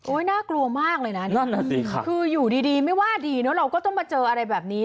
น่ากลัวมากเลยนะคืออยู่ดีไม่ว่าดีเนอะเราก็ต้องมาเจออะไรแบบนี้